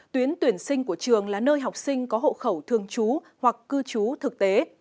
tuyến tuyển sinh của trường là nơi học sinh có hộ khẩu thường trú hoặc cư trú thực tế